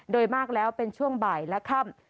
โดยมากแล้วเป็นช่วงบ่ายและค่ำ